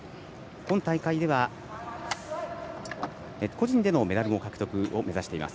今大会では、個人でのメダルの獲得を目指しています。